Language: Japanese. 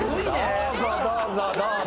どうぞどうぞどうぞ。